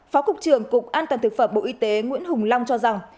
phó cục trưởng cục an toàn thực phẩm bộ y tế nguyễn hùng long cho rằng